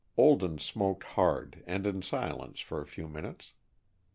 Olden smoked hard and in silence for a few minutes.